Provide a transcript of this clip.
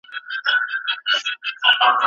امرمنونکي تل د ښه حکومت غوښتونکي دي.